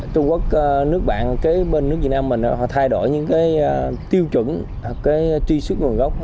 trung quốc nước bạn bên nước việt nam mình họ thay đổi những tiêu chuẩn truy xuất nguồn gốc